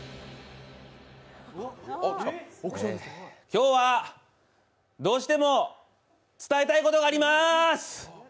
今日はどうしても伝えたいことがありまーす。